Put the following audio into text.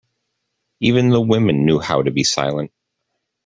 Even the women knew how to be silent.